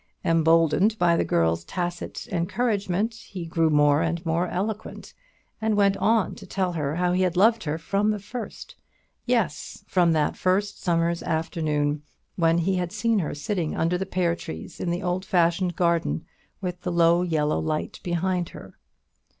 Emboldened by the girl's tacit encouragement, he grew more and more eloquent, and went on to tell her how he had loved her from the first; yes, from that first summer's afternoon when he had seen her sitting under the pear trees in the old fashioned garden, with the low yellow light behind her.